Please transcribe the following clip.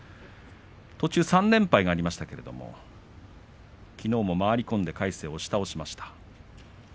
途中３連敗がありましたがきのうも回り込んで魁聖を押し倒しました。